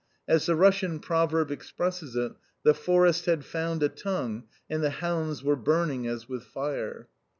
As the Russian proverb expresses it, "The forest had found a tongue, and the hounds were burning as with fire."